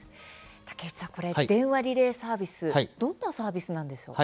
竹内さん、電話リレーサービスどういったサービスなのでしょうか。